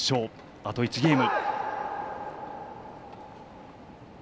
あと１ゲーム。